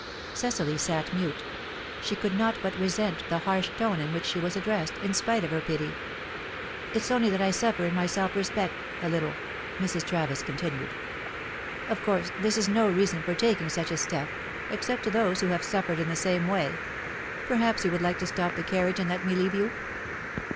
Cecily sat mute. She could not but resent the harsh tone in which she was addressed, in spite of her pity. "It's only that I suffer in my self respect a little," Mrs. Travis continued. "Of course, this is no reason for taking such a step, except to those who have suffered in the same way. Perhaps you would like to stop the carriage and let me leave you?"